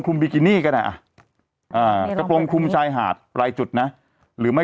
บิกินี่ก็ได้อ่ะกระโปรงคลุมชายหาดรายจุดนะหรือไม่